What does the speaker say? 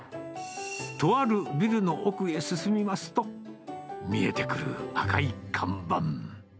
とあるビルの奥へ進みますと、見えてくる赤い看板。